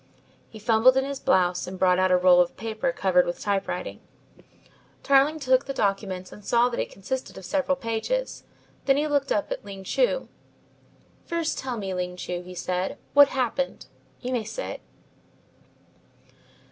He fumbled in his blouse and brought out a roll of paper covered with typewriting. Tarling took the documents and saw that it consisted of several pages. Then he looked up at Ling Chu. "First tell me, Ling Chu," he said, "what happened? You may sit."